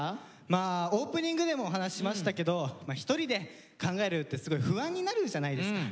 まあオープニングでもお話ししましたけど一人で考えるってすごい不安になるじゃないですか。